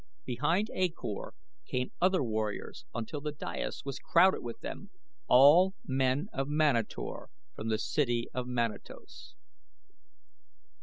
Behind A Kor came other warriors until the dais was crowded with them all men of Manator from the city of Manatos.